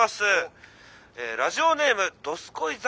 えラジオネームどすこい侍」。